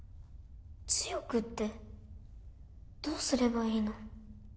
強くってどうすればいいの？